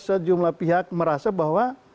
sejumlah pihak merasa bahwa